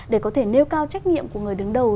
để có thể nêu cao trách nhiệm của người đứng đầu